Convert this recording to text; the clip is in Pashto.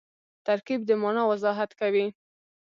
ترکیب د مانا وضاحت کوي.